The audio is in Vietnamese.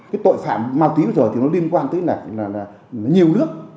cái tội phạm màu tí rồi thì nó liên quan tới là nhiều nước